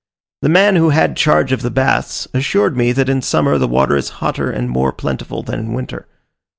The man who had charge of the baths assured me that in summer the water is hotter and more plentiful than in winter.